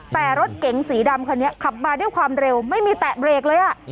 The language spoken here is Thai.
แต่รถเก๋งสีดำคันนี้ขับมาด้วยความเร็วไม่มีแตะเบรกเลยอ่ะ